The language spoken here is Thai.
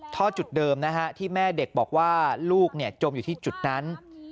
ท่อจุดเดิมนะฮะที่แม่เด็กบอกว่าลูกจมอยู่ที่จุดนั้น